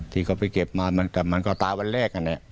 ที่เขาไปเก็บมาแต่มันก็ตายวันแรกอันนี้